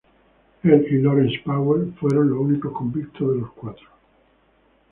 Él y Laurence Powell fueron los únicos convictos de los cuatro.